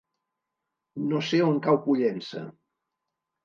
No sé on cau Pollença.